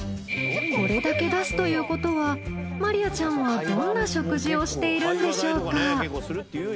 これだけ出すということはマリヤちゃんはどんな食事をしているんでしょうか？